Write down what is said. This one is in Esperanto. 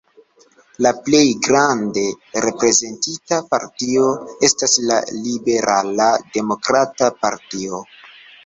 La plej grande reprezentita partio estas la Liberala Demokrata Partio.